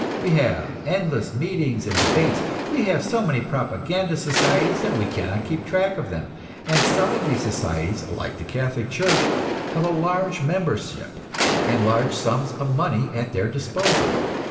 We have endless meetings and debates; we have so many propaganda societies that we cannot keep track of them. And some of these societies, like the Catholic Church, have a large membership, and large sums of money at their disposal.